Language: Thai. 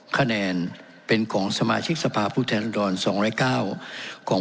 คะแนนเป็นของสมาชิกสภาพผู้แทนรดรสองร้อยเก้าของ